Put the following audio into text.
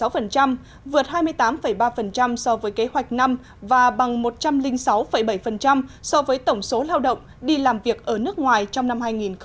vượt hai mươi tám ba so với kế hoạch năm và bằng một trăm linh sáu bảy so với tổng số lao động đi làm việc ở nước ngoài trong năm hai nghìn một mươi tám